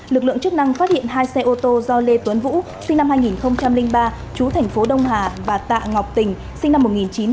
lực lượng chức năng phát hiện hai xe ô tô do lê tuấn vũ sinh năm hai nghìn ba chú thành phố đông hà và tạ ngọc tình sinh năm một nghìn chín trăm chín mươi